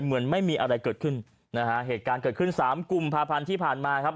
เหมือนไม่มีอะไรเกิดขึ้นนะฮะเหตุการณ์เกิดขึ้นสามกุมภาพันธ์ที่ผ่านมาครับ